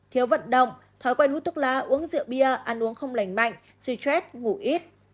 thiếu vận động thói quen hút thuốc lá uống rượu bia ăn uống không lành mạnh truy quét ngủ ít